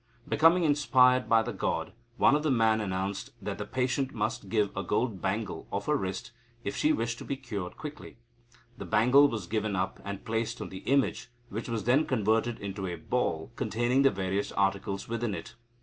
Becoming inspired by the god, one of the men announced that the patient must give a gold bangle off her wrist, if she wished to be cured quickly. The bangle was given up, and placed on the image, which was then converted into a ball containing the various articles within it.